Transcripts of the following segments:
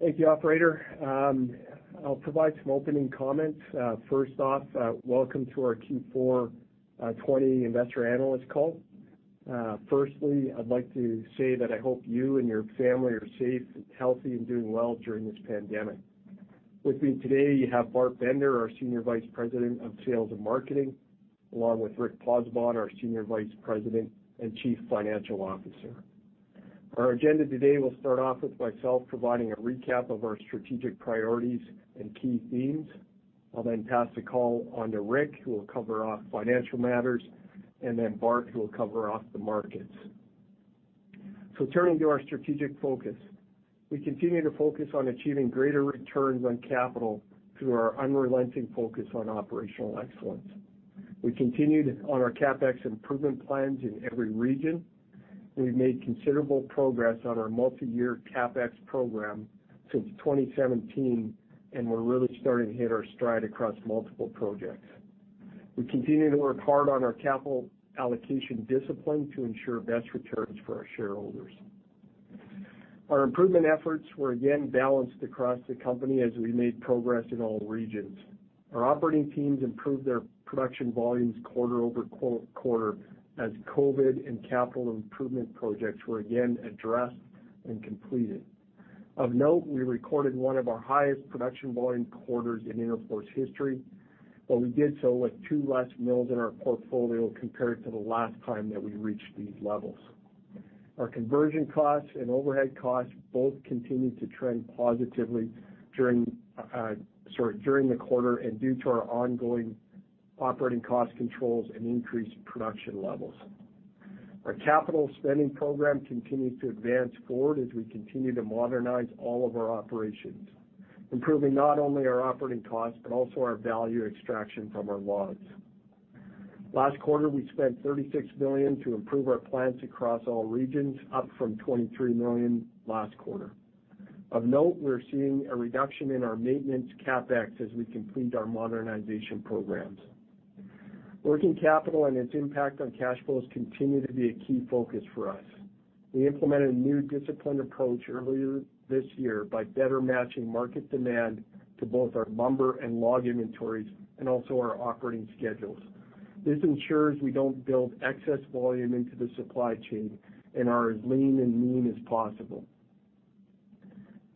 Thank you, operator. I'll provide some opening comments. First off, welcome to our Q4 2020 Investor Analyst Call. Firstly, I'd like to say that I hope you and your family are safe, healthy, and doing well during this pandemic. With me today, you have Bart Bender, our Senior Vice President of Sales and Marketing, along with Rick Pozzebon, our Senior Vice President and Chief Financial Officer. Our agenda today will start off with myself providing a recap of our strategic priorities and key themes. I'll then pass the call on to Rick, who will cover off financial matters, and then Bart, who will cover off the markets. So turning to our strategic focus, we continue to focus on achieving greater returns on capital through our unrelenting focus on operational excellence. We continued on our CapEx improvement plans in every region. We've made considerable progress on our multiyear CapEx program since 2017, and we're really starting to hit our stride across multiple projects. We continue to work hard on our capital allocation discipline to ensure best returns for our shareholders. Our improvement efforts were again balanced across the company as we made progress in all regions. Our operating teams improved their production volumes quarter over quarter, as COVID and capital improvement projects were again addressed and completed. Of note, we recorded one of our highest production volume quarters in Interfor's history, but we did so with two less mills in our portfolio compared to the last time that we reached these levels. Our conversion costs and overhead costs both continued to trend positively during the quarter and due to our ongoing operating cost controls and increased production levels. Our capital spending program continues to advance forward as we continue to modernize all of our operations, improving not only our operating costs, but also our value extraction from our logs. Last quarter, we spent 36 million to improve our plants across all regions, up from 23 million last quarter. Of note, we're seeing a reduction in our maintenance CapEx as we complete our modernization programs. Working Capital and its impact on cash flows continue to be a key focus for us. We implemented a new disciplined approach earlier this year by better matching market demand to both our lumber and log inventories and also our operating schedules. This ensures we don't build excess volume into the supply chain and are as lean and mean as possible.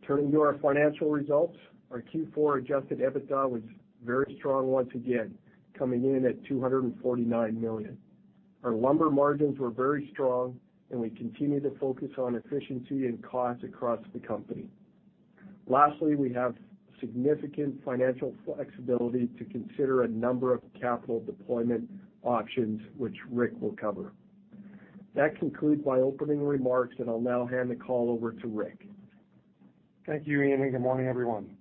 Turning to our financial results, our Q4 adjusted EBITDA was very strong once again, coming in at 249 million. Our lumber margins were very strong, and we continue to focus on efficiency and cost across the company. Lastly, we have significant financial flexibility to consider a number of capital deployment options, which Rick will cover. That concludes my opening remarks, and I'll now hand the call over to Rick. Thank you, Ian, and good morning, everyone.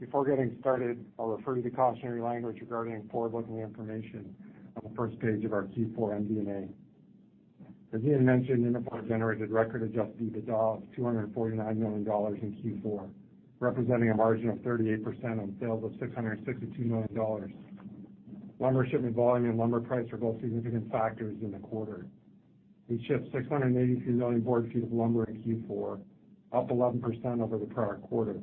Before getting started, I'll refer to the cautionary language regarding forward-looking information on the first page of our Q4 MD&A. As Ian mentioned, Interfor generated record adjusted EBITDA of 249 million dollars in Q4, representing a margin of 38% on sales of 662 million dollars. Lumber shipping volume and lumber price were both significant factors in the quarter. We shipped 682 million board feet of lumber in Q4, up 11% over the prior quarter,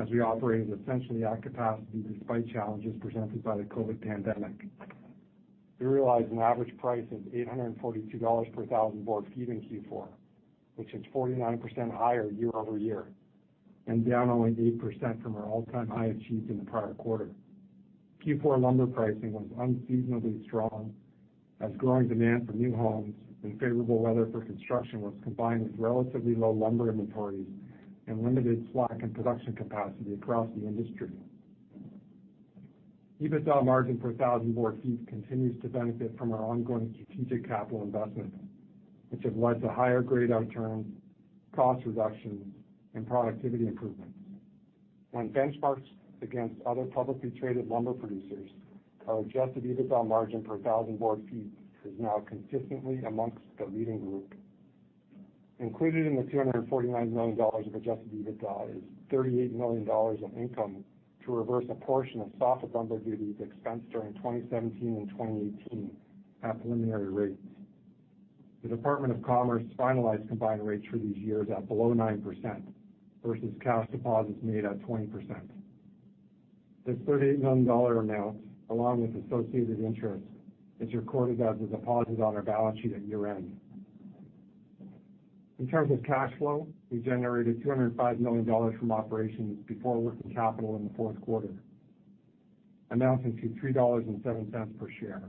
as we operated essentially at capacity despite challenges presented by the COVID pandemic. We realized an average price of $842 per thousand board feet in Q4, which is 49% higher year over year and down only 8% from our all-time high achieved in the prior quarter. Q4 lumber pricing was unseasonably strong as growing demand for new homes and favorable weather for construction was combined with relatively low lumber inventories and limited slack in production capacity across the industry. EBITDA margin per thousand board feet continues to benefit from our ongoing strategic capital investment, which have led to higher grade return, cost reductions, and productivity improvements. When benchmarked against other publicly traded lumber producers, our adjusted EBITDA margin per thousand board feet is now consistently among the leading group. Included in the 249 million dollars of adjusted EBITDA is 38 million dollars of income to reverse a portion of softwood lumber duties expensed during 2017 and 2018 at preliminary rates. The Department of Commerce finalized combined rates for these years at below 9% versus cash deposits made at 20%. This 38 million dollar amount, along with associated interest, is recorded as a deposit on our balance sheet at year-end. In terms of cash flow, we generated 205 million dollars from operations before working capital in the fourth quarter, amounting to 3.07 dollars per share.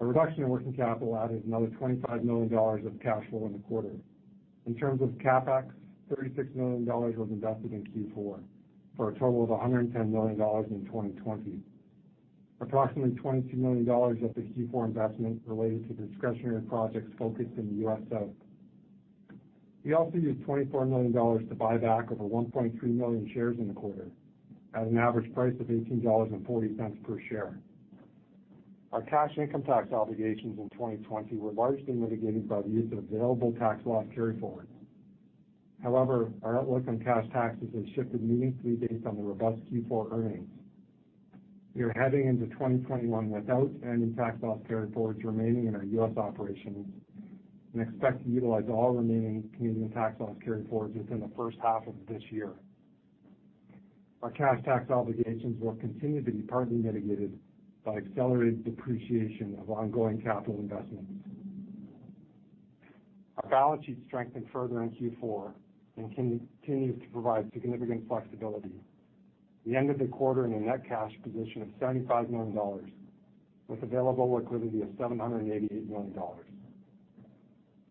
A reduction in working capital added another 25 million dollars of cash flow in the quarter. In terms of CapEx, 36 million dollars was invested in Q4, for a total of 110 million dollars in 2020. Approximately 22 million dollars of the Q4 investment related to discretionary projects focused in the U.S. South. We also used 24 million dollars to buy back over 1.3 million shares in the quarter at an average price of 18.40 dollars per share. Our cash income tax obligations in 2020 were largely mitigated by the use of available tax loss carryforwards. However, our outlook on cash taxes has shifted meaningfully based on the robust Q4 earnings. We are heading into 2021 without any tax loss carryforwards remaining in our U.S. operations and expect to utilize all remaining Canadian tax loss carryforwards within the first half of this year. Our cash tax obligations will continue to be partly mitigated by accelerated depreciation of ongoing capital investments. Our balance sheet strengthened further in Q4 and continues to provide significant flexibility. We ended the quarter in a net cash position of $75 million, with available liquidity of $788 million.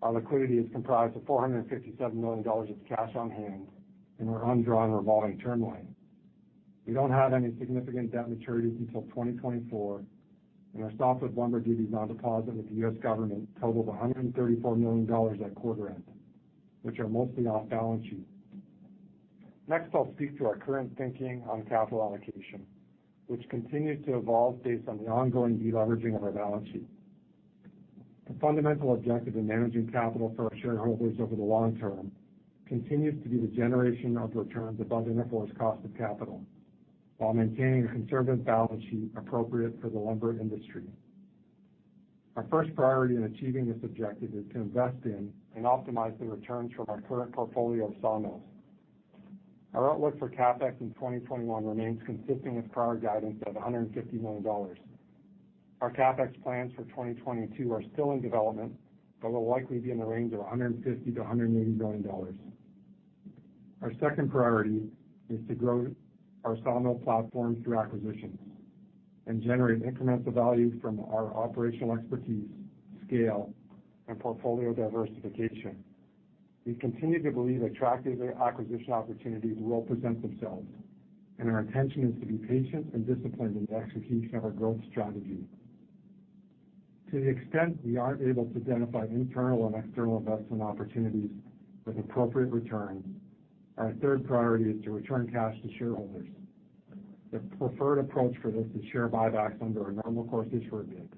Our liquidity is comprised of $457 million of cash on hand and our undrawn revolving term loan. We don't have any significant debt maturities until 2024, and our softwood lumber duties on-deposit with the U.S. government totaled $134 million at quarter end, which are mostly off balance sheet. Next, I'll speak to our current thinking on capital allocation, which continues to evolve based on the ongoing deleveraging of our balance sheet. The fundamental objective in managing capital for our shareholders over the long term continues to be the generation of returns above and above our cost of capital, while maintaining a conservative balance sheet appropriate for the lumber industry. Our first priority in achieving this objective is to invest in and optimize the returns from our current portfolio of sawmills. Our outlook for CapEx in 2021 remains consistent with prior guidance of $150 million. Our CapEx plans for 2022 are still in development, but will likely be in the range of $150-$180 million. Our second priority is to grow our sawmill platform through acquisitions and generate incremental value from our operational expertise, scale, and portfolio diversification. We continue to believe attractive acquisition opportunities will present themselves, and our intention is to be patient and disciplined in the execution of our growth strategy. To the extent we aren't able to identify internal and external investment opportunities with appropriate returns, our third priority is to return cash to shareholders. The preferred approach for this is share buybacks under our normal course issuer bid.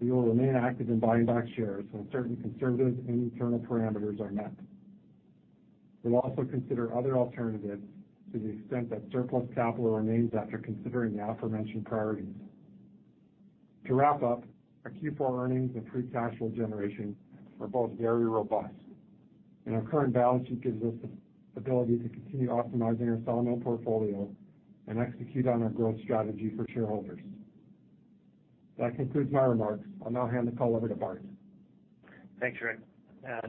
We will remain active in buying back shares when certain conservative and internal parameters are met. We'll also consider other alternatives to the extent that surplus capital remains after considering the aforementioned priorities. To wrap up, our Q4 earnings and free cash flow generation were both very robust, and our current balance sheet gives us the ability to continue optimizing our sawmill portfolio and execute on our growth strategy for shareholders. That concludes my remarks. I'll now hand the call over to Bart. Thanks, Rick.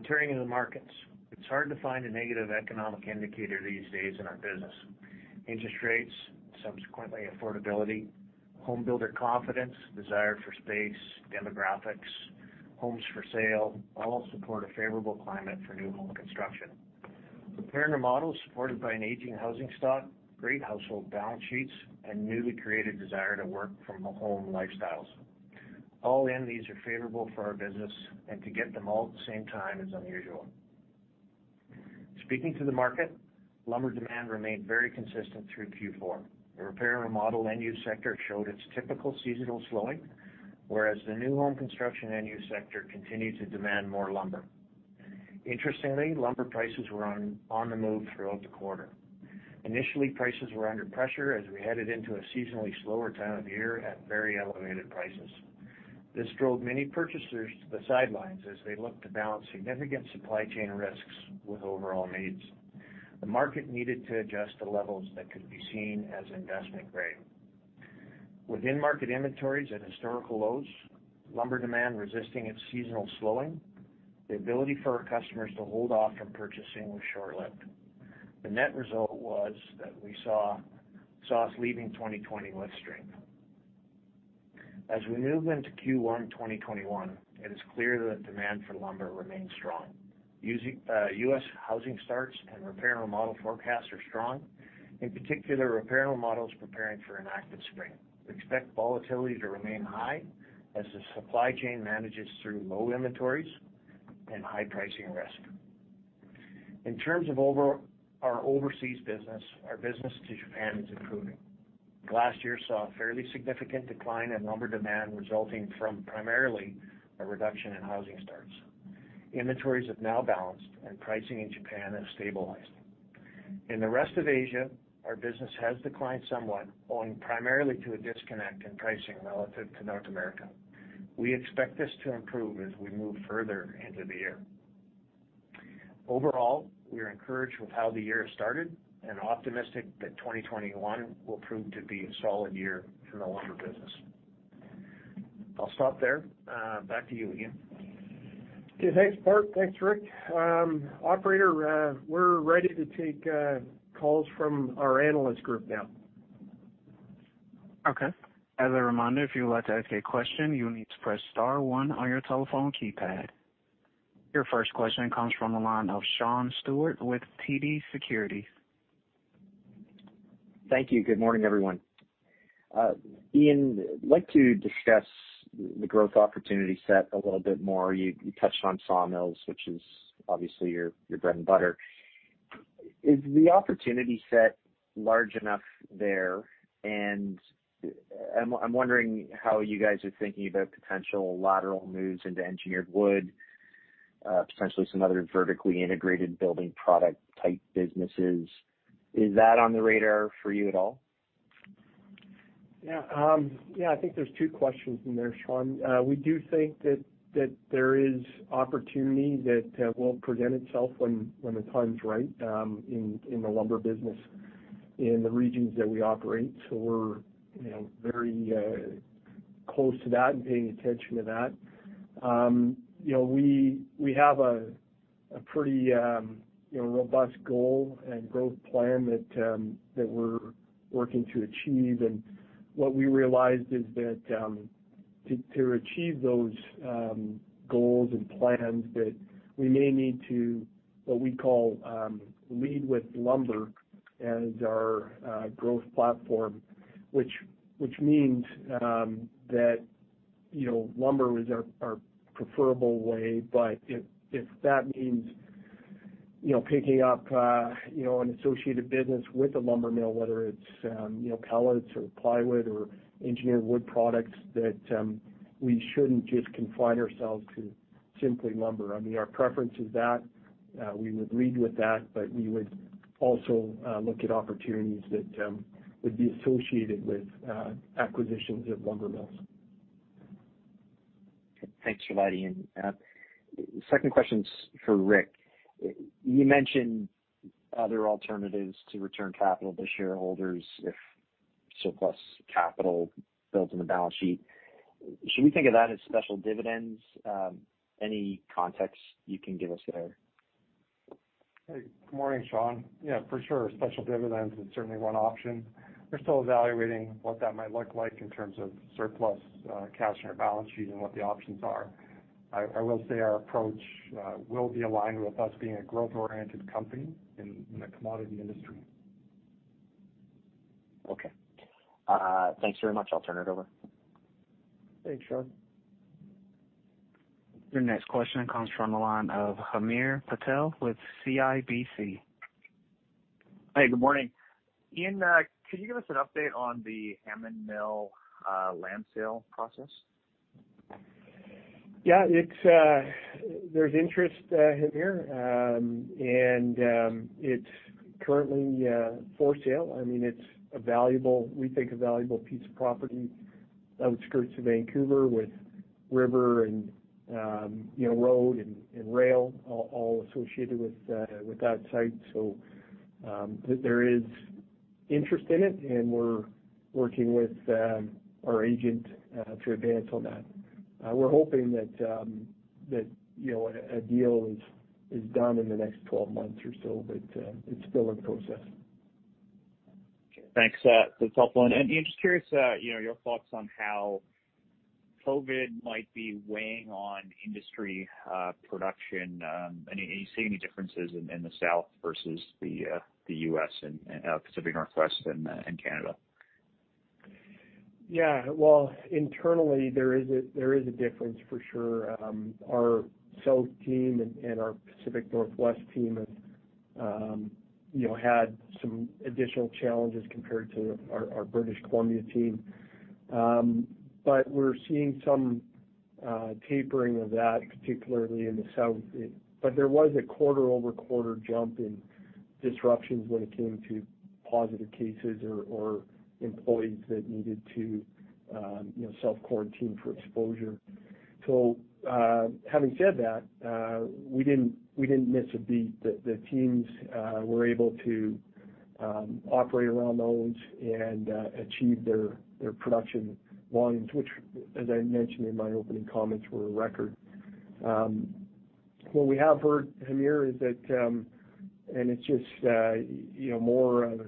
Turning to the markets, it's hard to find a negative economic indicator these days in our business. Interest rates, subsequently affordability, home builder confidence, desire for space, demographics, homes for sale, all support a favorable climate for new home construction. Repair and remodel is supported by an aging housing stock, great household balance sheets, and newly created desire to work from home lifestyles. All end needs are favorable for our business, and to get them all at the same time is unusual. Speaking to the market, lumber demand remained very consistent through Q4. The repair and remodel end-use sector showed its typical seasonal slowing, whereas the new home construction end-use sector continued to demand more lumber. Interestingly, lumber prices were on the move throughout the quarter. Initially, prices were under pressure as we headed into a seasonally slower time of year at very elevated prices. This drove many purchasers to the sidelines as they looked to balance significant supply chain risks with overall needs. The market needed to adjust to levels that could be seen as investment grade. With in-market inventories at historical lows, lumber demand resisting its seasonal slowing, the ability for our customers to hold off from purchasing was short-lived. The net result was that we saw us leaving 2020 with strength. As we move into Q1 2021, it is clear that demand for lumber remains strong. U.S. housing starts and repair and remodel forecasts are strong. In particular, repair and remodel is preparing for an active spring. We expect volatility to remain high as the supply chain manages through low inventories and high pricing risk. In terms of our overseas business, our business to Japan is improving. Last year saw a fairly significant decline in lumber demand, resulting from primarily a reduction in housing starts. Inventories have now balanced, and pricing in Japan has stabilized. In the rest of Asia, our business has declined somewhat, owing primarily to a disconnect in pricing relative to North America. We expect this to improve as we move further into the year. Overall, we are encouraged with how the year has started and optimistic that 2021 will prove to be a solid year for the lumber business. I'll stop there. Back to you, Ian. Okay, thanks, Bart. Thanks, Rick. Operator, we're ready to take calls from our analyst group now. Okay. As a reminder, if you would like to ask a question, you will need to press star one on your telephone keypad. Your first question comes from the line of Sean Steuart with TD Securities. Thank you. Good morning, everyone. Ian, I'd like to discuss the growth opportunity set a little bit more. You, you touched on sawmills, which is obviously your, your bread and butter. Is the opportunity set large enough there? And I'm, I'm wondering how you guys are thinking about potential lateral moves into engineered wood, potentially some other vertically integrated building product type businesses. Is that on the radar for you at all? Yeah, yeah, I think there's two questions in there, Sean. We do think that there is opportunity that will present itself when the time's right, in the lumber business in the regions that we operate. So we're, you know, very close to that and paying attention to that. You know, we have a pretty, you know, robust goal and growth plan that we're working to achieve. And what we realized is that to achieve those goals and plans, that we may need to, what we call, lead with lumber as our growth platform. Which means, you know, that lumber is our preferable way, but if that means, you know, picking up, you know, an associated business with a lumber mill, whether it's, you know, pellets or plywood or engineered wood products, that we shouldn't just confine ourselves to simply lumber. I mean, our preference is that we would lead with that, but we would also look at opportunities that would be associated with acquisitions of lumber mills. Thanks for joining in. The second question's for Rick. You mentioned other alternatives to return capital to shareholders if surplus capital builds on the balance sheet. Should we think of that as special dividends? Any context you can give us there? Hey, good morning, Sean. Yeah, for sure, special dividends is certainly one option. We're still evaluating what that might look like in terms of surplus cash on our balance sheet and what the options are. I will say our approach will be aligned with us being a growth-oriented company in a commodity industry. Okay. Thanks very much. I'll turn it over. Thanks, Sean. Your next question comes from the line of Hamir Patel with CIBC. Hey, good morning. Ian, could you give us an update on the Hammond Mill, land sale process? Yeah, it's, there's interest, Hamir, and it's currently for sale. I mean, it's a valuable, we think, a valuable piece of property, outskirts of Vancouver with river and, you know, road and rail all associated with that site. So, there is interest in it, and we're working with our agent to advance on that. We're hoping that, you know, a deal is done in the next 12 months or so, but it's still in process. Thanks, that's helpful. And Ian, just curious, you know, your thoughts on how COVID might be weighing on industry production. Are you seeing any differences in the South versus the U.S. and Pacific Northwest and Canada? Yeah. Well, internally, there is a difference for sure. Our South team and our Pacific Northwest team have, you know, had some additional challenges compared to our British Columbia team. But we're seeing some tapering of that, particularly in the South. But there was a quarter-over-quarter jump in disruptions when it came to positive cases or employees that needed to, you know, self-quarantine for exposure. So, having said that, we didn't miss a beat. The teams were able to operate around those and achieve their production volumes, which, as I mentioned in my opening comments, were a record. What we have heard, Hamir, is that, and it's just, you know, more of,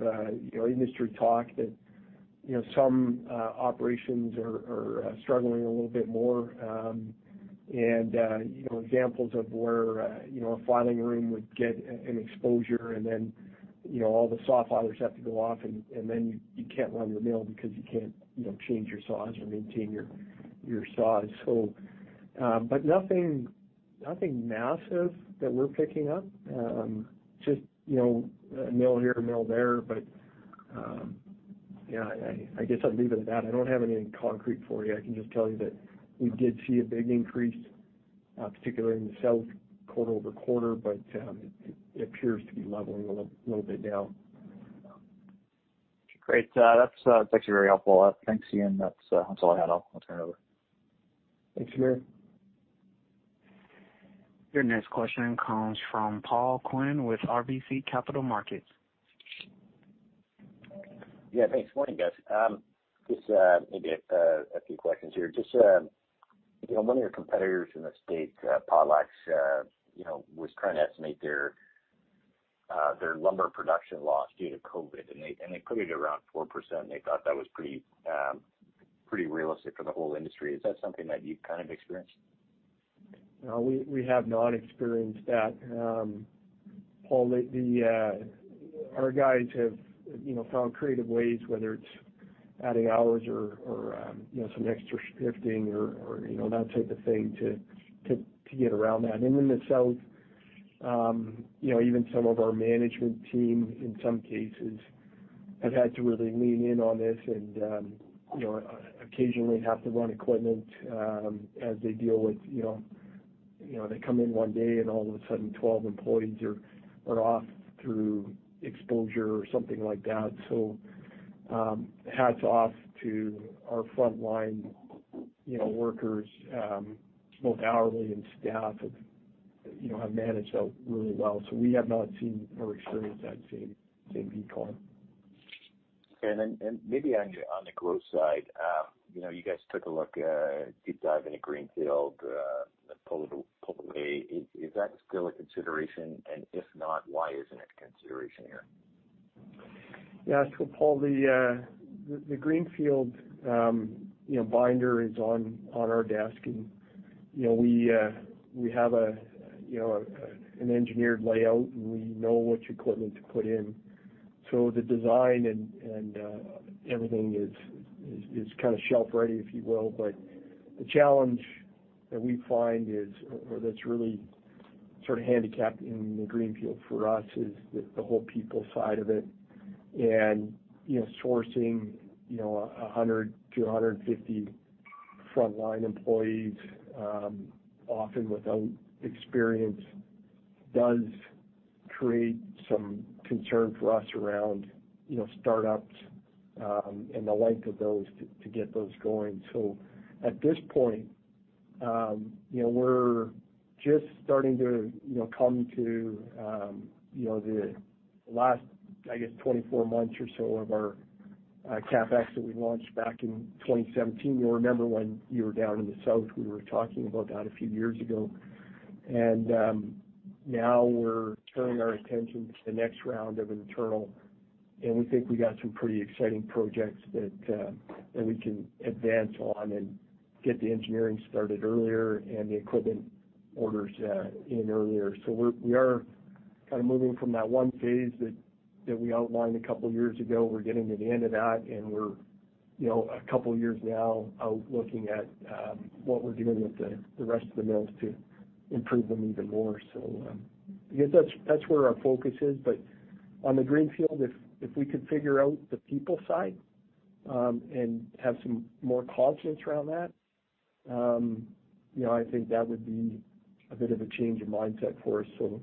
you know, industry talk, that, you know, some operations are struggling a little bit more. And, you know, examples of where, you know, a filing room would get an exposure, and then, you know, all the saw filers have to go off, and then you can't run your mill because you can't, you know, change your saws or maintain your saws. So, but nothing massive that we're picking up. Just, you know, a mill here, a mill there. But, yeah, I guess I'd leave it at that. I don't have anything concrete for you. I can just tell you that we did see a big increase, particularly in the South, quarter over quarter, but it appears to be leveling a little bit now. Great. That's actually very helpful. Thanks, Ian. That's all I had. I'll turn it over. Thanks, Hamir. Your next question comes from Paul Quinn with RBC Capital Markets. Yeah, thanks. Morning, guys. Just, maybe, a few questions here. Just, you know, one of your competitors in the States, Potlatch, you know, was trying to estimate their, their lumber production loss due to COVID, and they, and they put it around 4%, and they thought that was pretty, pretty realistic for the whole industry. Is that something that you've kind of experienced? No, we, we have not experienced that, Paul. Our guys have, you know, found creative ways, whether it's adding hours or, you know, some extra shifting or, you know, that type of thing to get around that. You know, even some of our management team, in some cases, have had to really lean in on this and, you know, occasionally have to run equipment, as they deal with, you know, they come in one day, and all of a sudden, 12 employees are off through exposure or something like that. So, hats off to our frontline, you know, workers, both hourly and staff, have, you know, have managed that really well. So we have not seen or experienced that same decline. Okay. And then, and maybe on the growth side, you know, you guys took a look, deep dive into greenfield, publicly. Is that still a consideration? And if not, why isn't it a consideration here? Yeah. So Paul, the Greenfield, you know, binder is on our desk, and, you know, we have a, you know, an engineered layout, and we know which equipment to put in. So the design and, everything is kind of shelf ready, if you will. But the challenge that we find is, or that's really sort of handicapped in the greenfield for us, is the whole people side of it. And, you know, sourcing, you know, 100-150 frontline employees, often without experience, does create some concern for us around, you know, startups, and the like of those, to get those going. So at this point, you know, we're just starting to, you know, come to, you know, the last, I guess, 24 months or so of our CapEx that we launched back in 2017. You'll remember when you were down in the south, we were talking about that a few years ago. And now we're turning our attention to the next round of internal, and we think we got some pretty exciting projects that we can advance on and get the engineering started earlier and the equipment orders in earlier. So we are kind of moving from that one phase that we outlined a couple of years ago. We're getting to the end of that, and we're, you know, a couple of years now out looking at what we're doing with the rest of the mills to improve them even more. So, I guess that's where our focus is. But on the Greenfield, if we could figure out the people side, and have some more confidence around that, you know, I think that would be a bit of a change in mindset for us. So,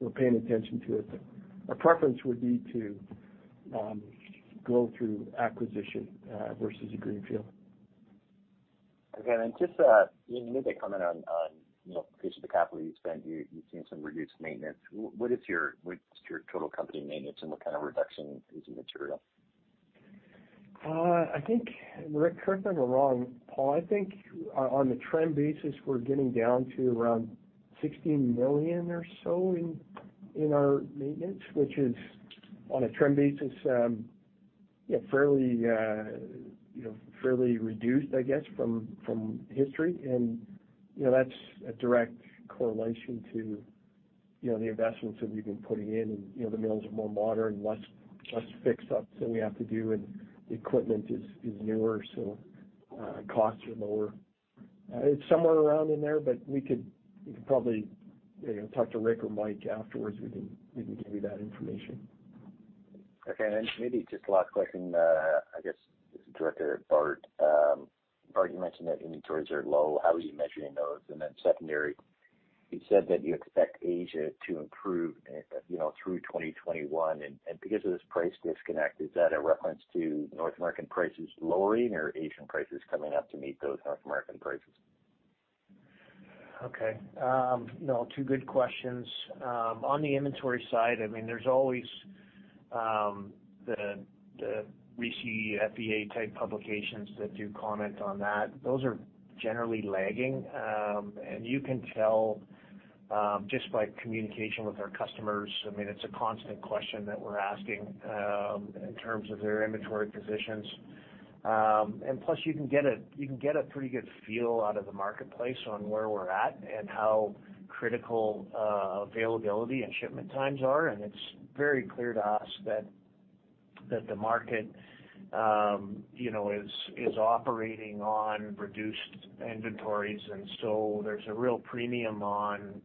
we're paying attention to it, but our preference would be to go through acquisition versus a Greenfield. Okay. Just, you made a comment on, you know, because of the capital you spent, you've seen some reduced maintenance. What's your total company maintenance, and what kind of reduction is immaterial? I think, Rick, correct me if I'm wrong, Paul, I think on the trend basis, we're getting down to around 16 million or so in our maintenance, which is on a trend basis, yeah, fairly, you know, fairly reduced, I guess, from history. And, you know, that's a direct correlation to, you know, the investments that we've been putting in. And, you know, the mills are more modern, less fix ups than we have to do, and the equipment is newer, so costs are lower. It's somewhere around in there, but you could probably, you know, talk to Rick or Mike afterwards, we can give you that information. Okay. And then maybe just last question, I guess, it's directed at Bart. Bart, you mentioned that inventories are low. How are you measuring those? And then secondary, you said that you expect Asia to improve, you know, through 2021. And, and because of this price disconnect, is that a reference to North American prices lowering or Asian prices coming up to meet those North American prices? Okay. No, two good questions. On the inventory side, I mean, there's always the RISI, FEA-type publications that do comment on that. Those are generally lagging, and you can tell just by communication with our customers. I mean, it's a constant question that we're asking in terms of their inventory positions. And plus, you can get a pretty good feel out of the marketplace on where we're at and how critical availability and shipment times are. And it's very clear to us that the market, you know, is operating on reduced inventories, and so there's a real premium on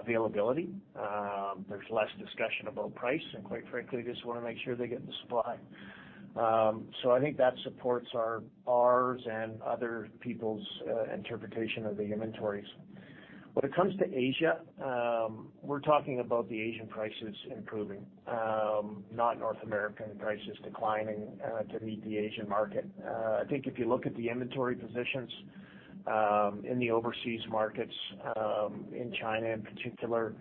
availability. There's less discussion about price, and quite frankly, they just want to make sure they get the supply. So I think that supports our, ours and other people's interpretation of the inventories. When it comes to Asia, we're talking about the Asian prices improving, not North American prices declining to meet the Asian market. I think if you look at the inventory positions in the overseas markets, in China in particular,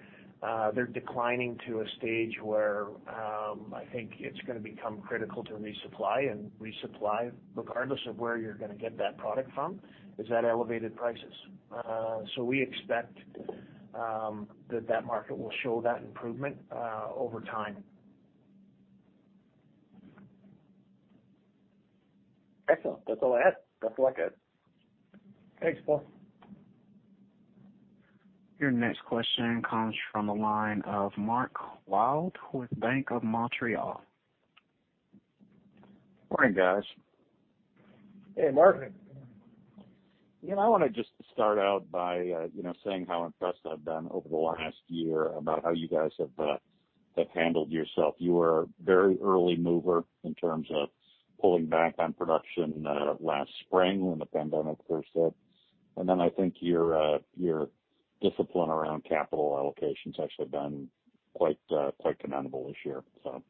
they're declining to a stage where I think it's gonna become critical to resupply. And resupply, regardless of where you're gonna get that product from, is at elevated prices. So we expect that that market will show that improvement over time. Excellent. That's all I had. That's all I got. Thanks, Paul. Your next question comes from the line of Mark Wilde with Bank of Montreal. Morning, guys. Hey, Mark. You know, I wanna just start out by, you know, saying how impressed I've been over the last year about how you guys have handled yourself. You were a very early mover in terms of pulling back on production, last spring when the pandemic first hit. And then I think your discipline around capital allocation's actually been quite commendable this year. So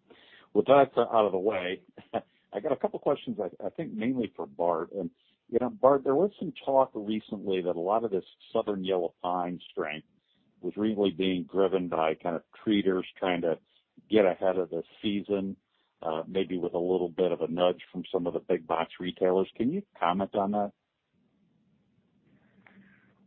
with that out of the way, I got a couple questions, I think mainly for Bart. And, you know, Bart, there was some talk recently that a lot of this Southern Yellow Pine strength was really being driven by kind of treaters trying to get ahead of the season, maybe with a little bit of a nudge from some of the big box retailers. Can you comment on that?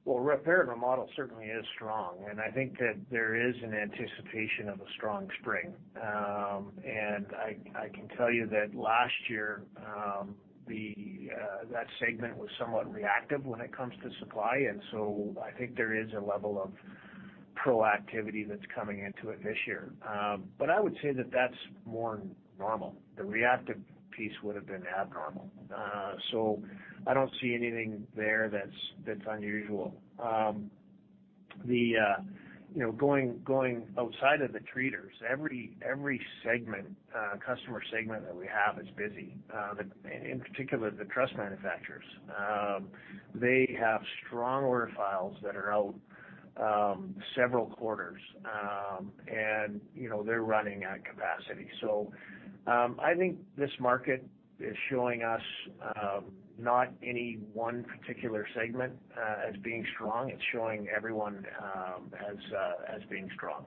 Well, repair and remodel certainly is strong, and I think that there is an anticipation of a strong spring. I can tell you that last year, that segment was somewhat reactive when it comes to supply, and so I think there is a level of proactivity that's coming into it this year. But I would say that that's more normal. The reactive piece would have been abnormal. So I don't see anything there that's unusual. You know, going outside of the treaters, every customer segment that we have is busy. In particular, the truss manufacturers. They have strong order files that are out several quarters. And, you know, they're running at capacity. So, I think this market is showing us, not any one particular segment, as being strong. It's showing everyone, as being strong.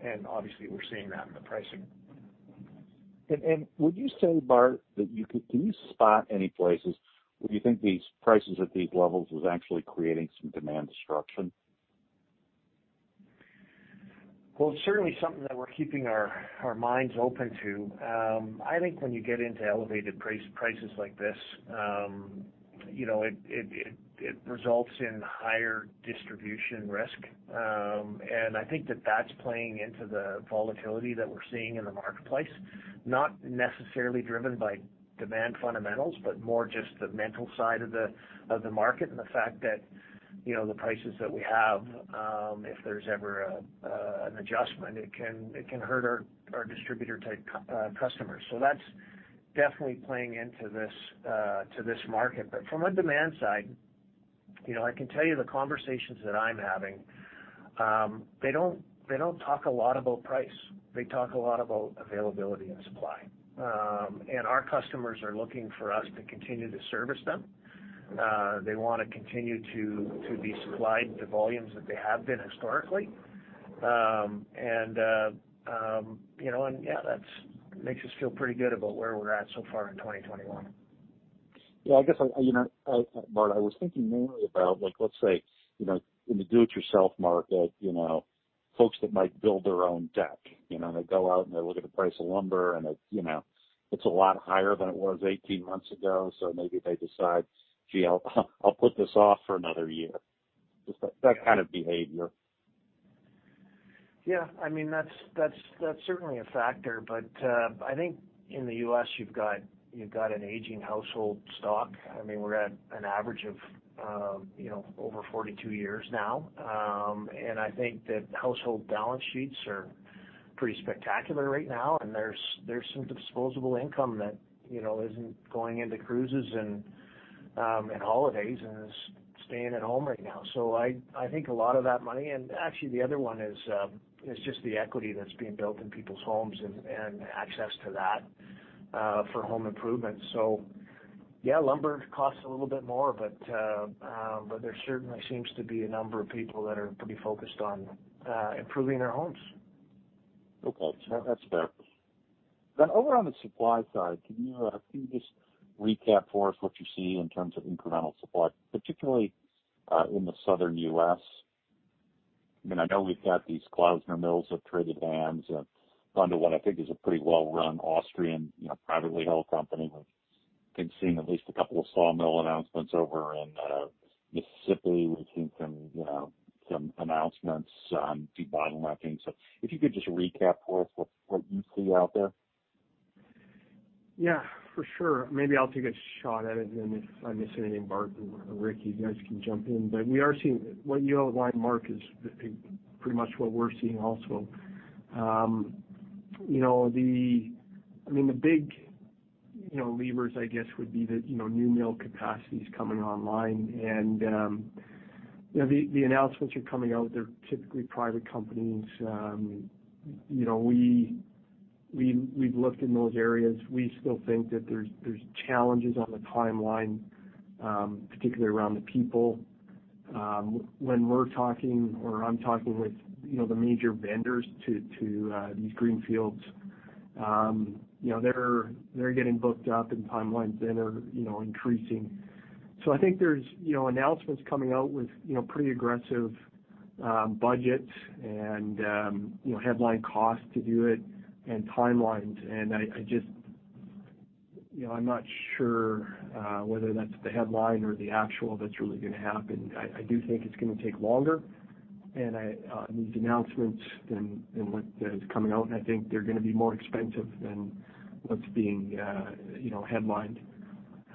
And obviously, we're seeing that in the pricing. And would you say, Bart, that you could—can you spot any places where you think these prices at these levels is actually creating some demand destruction? Well, it's certainly something that we're keeping our minds open to. I think when you get into elevated prices like this, you know, it results in higher distribution risk. And I think that's playing into the volatility that we're seeing in the marketplace, not necessarily driven by demand fundamentals, but more just the mental side of the market and the fact that, you know, the prices that we have, if there's ever an adjustment, it can hurt our distributor-type customers. So that's definitely playing into this market. But from a demand side, you know, I can tell you the conversations that I'm having, they don't talk a lot about price. They talk a lot about availability and supply. And our customers are looking for us to continue to service them. They wanna continue to be supplied the volumes that they have been historically. You know, and yeah, that's makes us feel pretty good about where we're at so far in 2021. Yeah, I guess, you know, Bart, I was thinking mainly about, like, let's say, you know, in the do-it-yourself market, you know, folks that might build their own deck, you know, and they go out and they look at the price of lumber, and it, you know, it's a lot higher than it was 18 months ago, so maybe they decide, "Gee, I'll put this off for another year." Just that kind of behavior. Yeah. I mean, that's certainly a factor, but I think in the US, you've got an aging household stock. I mean, we're at an average of, you know, over 42 years now. And I think that household balance sheets are pretty spectacular right now, and there's some disposable income that, you know, isn't going into cruises and holidays and is staying at home right now. So I think a lot of that money, and actually, the other one is just the equity that's being built in people's homes and access to that for home improvement. So yeah, lumber costs a little bit more, but there certainly seems to be a number of people that are pretty focused on improving their homes. Okay, that's fair. Over on the supply side, can you just recap for us what you see in terms of incremental supply, particularly in the Southern U.S.? I mean, I know we've got these Klausner mills up for the dams and under what I think is a pretty well-run Austrian, you know, privately held company. We've been seeing at least a couple of sawmill announcements over in Mississippi. We've seen some, you know, some announcements, you know, to debottlenecking. If you could just recap for us what you see out there. Yeah, for sure. Maybe I'll take a shot at it, and then if I miss anything, Bart or Rick, you guys can jump in. But we are seeing what you outlined, Mark, is pretty much what we're seeing also. You know, I mean, the big, you know, levers, I guess, would be the, you know, new mill capacities coming online. And, you know, the announcements are coming out. They're typically private companies. You know, we've looked in those areas. We still think that there's challenges on the timeline, particularly around the people. When we're talking or I'm talking with, you know, the major vendors to these greenfields, you know, they're getting booked up and timelines then are, you know, increasing. So I think there's, you know, announcements coming out with, you know, pretty aggressive budgets and, you know, headline costs to do it and timelines. I, I just, you know, I'm not sure whether that's the headline or the actual that's really gonna happen. I, I do think it's gonna take longer, and I, these announcements and, and what is coming out, and I think they're gonna be more expensive than what's being, you know, headlined.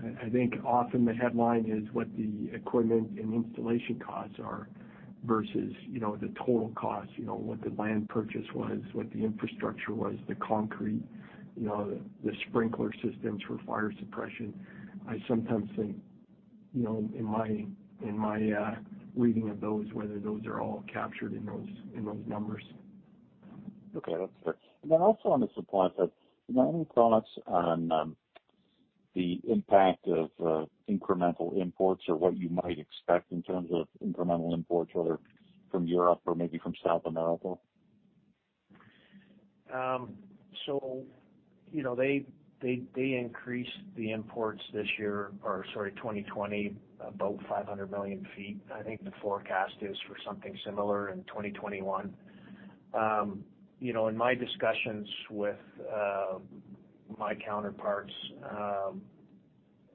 I, I think often the headline is what the equipment and installation costs are versus, you know, the total cost, you know, what the land purchase was, what the infrastructure was, the concrete, you know, the sprinkler systems for fire suppression. I sometimes think, you know, in my, in my, reading of those, whether those are all captured in those, in those numbers. Okay, that's fair. And then also on the supply side, any thoughts on the impact of incremental imports or what you might expect in terms of incremental imports, whether from Europe or maybe from South America? So, you know, they increased the imports this year, or sorry, 2020, about 500 million feet. I think the forecast is for something similar in 2021. You know, in my discussions with my counterparts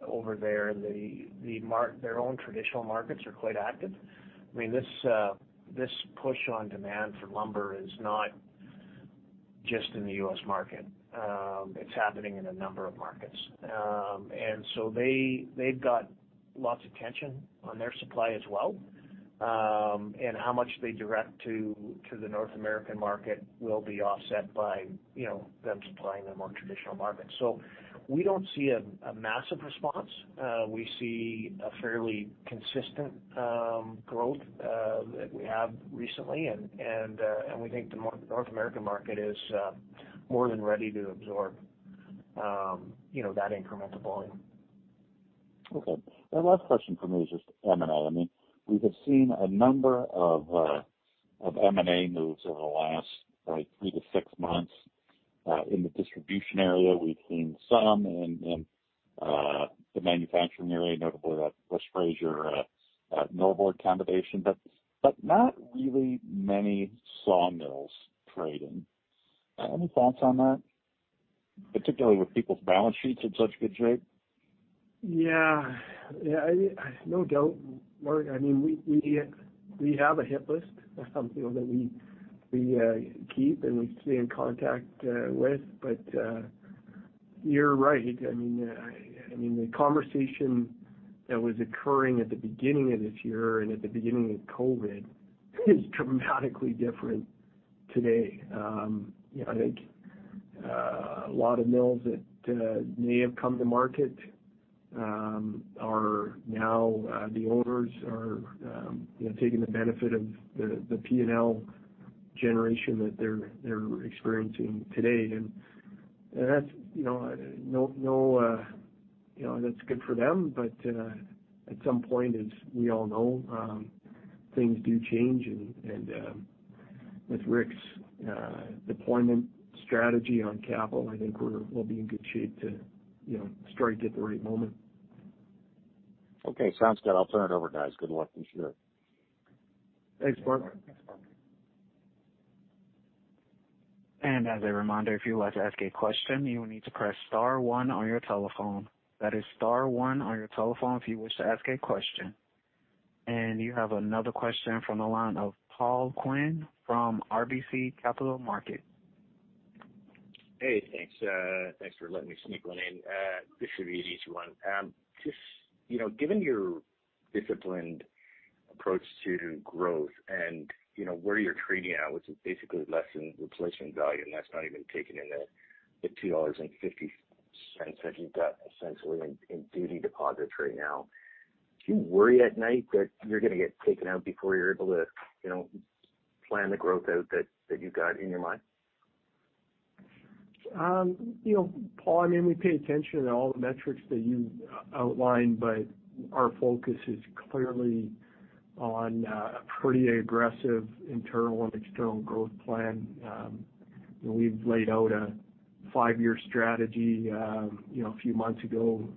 over there, their own traditional markets are quite active. I mean, this push on demand for lumber is not just in the U.S. market. It's happening in a number of markets. And so they, they've got lots of tension on their supply as well, and how much they direct to the North American market will be offset by, you know, them supplying the more traditional markets. So we don't see a massive response. We see a fairly consistent growth that we have recently, and we think the North American market is more than ready to absorb, you know, that incremental volume. Okay. The last question from me is just M&A. I mean, we have seen a number of M&A moves over the last, like, 3-6 months. In the distribution area, we've seen some in the manufacturing area, notably at West Fraser, at Norbord combination, but not really many sawmills trading. Any thoughts on that, particularly with people's balance sheets in such good shape? Yeah. Yeah, no doubt, Mark. I mean, we have a hit list, you know, that we keep and we stay in contact with. But, you're right. I mean, the conversation that was occurring at the beginning of this year and at the beginning of COVID is dramatically different today. You know, I think a lot of mills that may have come to market are now the owners are you know, taking the benefit of the P&L generation that they're experiencing today. And that's, you know, no, no, you know, that's good for them, but at some point, as we all know, things do change, and with Rick's deployment strategy on capital, I think we'll be in good shape to, you know, strike at the right moment. Okay, sounds good. I'll turn it over, guys. Good luck this year. Thanks, Mark. As a reminder, if you'd like to ask a question, you will need to press star one on your telephone. That is star one on your telephone if you wish to ask a question. You have another question from the line of Paul Quinn from RBC Capital Markets. Hey, thanks. Thanks for letting me sneak one in. This should be an easy one. Just, you know, given your disciplined approach to growth and, you know, where you're trading at, which is basically less than replacement value, and that's not even taking in the $2.50 that you've got essentially in duty depository now, do you worry at night that you're gonna get taken out before you're able to, you know, plan the growth out that you've got in your mind? You know, Paul, I mean, we pay attention to all the metrics that you outlined, but our focus is clearly on a pretty aggressive internal and external growth plan. We've laid out a five-year strategy, you know, a few months ago,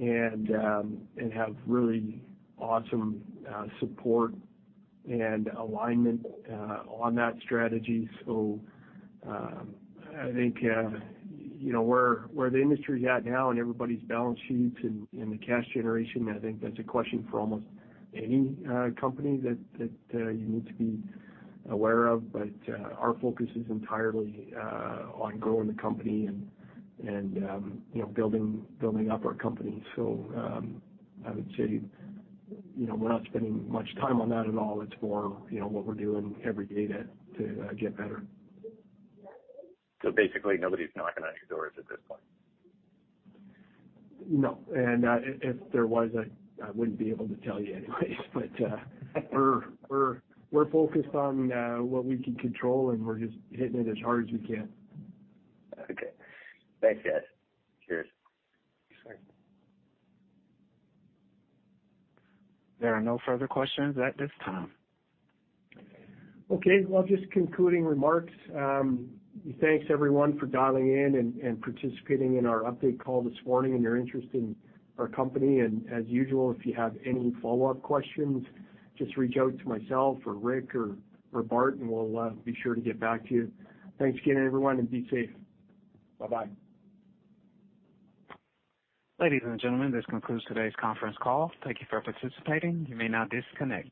and have really awesome support and alignment on that strategy. So, I think, you know, where the industry's at now and everybody's balance sheets and the cash generation, I think that's a question for almost any company that you need to be aware of. But our focus is entirely on growing the company and, you know, building up our company. So, I would say, you know, we're not spending much time on that at all. It's more, you know, what we're doing every day to get better. So basically, nobody's knocking on your doors at this point? No, and if there was, I wouldn't be able to tell you anyways. But we're focused on what we can control, and we're just hitting it as hard as we can. Okay. Thanks, guys. Cheers. Sure. There are no further questions at this time. Okay. Well, just concluding remarks. Thanks, everyone, for dialing in and participating in our update call this morning and your interest in our company. As usual, if you have any follow-up questions, just reach out to myself or Rick or Bart, and we'll be sure to get back to you. Thanks again, everyone, and be safe. Bye-bye. Ladies and gentlemen, this concludes today's conference call. Thank you for participating. You may now disconnect.